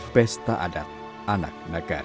pesta adat anak negara